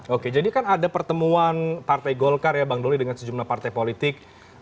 oke jadi kan ada pertemuan partai golkar ya bang doli dengan sejumlah partai politik